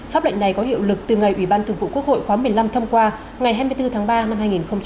pháp lệnh này có hiệu lực từ ngày ủy ban thường vụ quốc hội khóa một mươi năm thông qua ngày hai mươi bốn tháng ba năm hai nghìn hai mươi